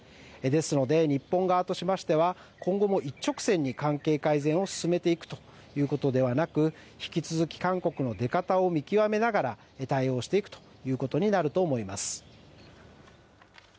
ですので、日本側としましては、今後も一直線に関係改善を進めていくということではなく、引き続き韓国の出方を見極めながら、対応していくということになると思います。